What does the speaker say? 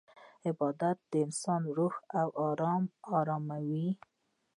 عبادت د انسان روح او روان اراموي.